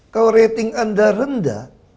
kalau rating anda rendah